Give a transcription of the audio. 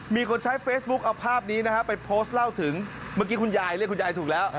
มีคนใช้เฟซบุ๊คเอาภาพนี้นะฮะไปโพสต์เล่าถึงเมื่อกี้คุณยายเรียกคุณยายถูกแล้ว